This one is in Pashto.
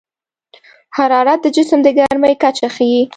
حرارت د جسم د ګرمۍ کچه ښيي.